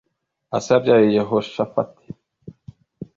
Asa yabyaye Yehoshafati,